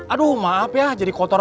aduh maaf ya jadi kotor